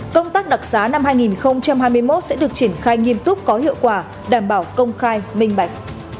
công tác đặc giá năm hai nghìn hai mươi một sẽ được triển khai nghiêm túc có hiệu quả đảm bảo công khai minh bạch